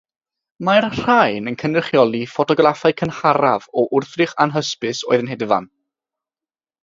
Mae'r rhain yn cynrychioli'r ffotograffau cynharaf o wrthrych anhysbys oedd yn hedfan.